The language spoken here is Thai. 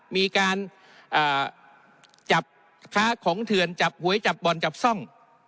มีการจับค้าของเถื่อนจับหวยจับบ่อนจับซ่อง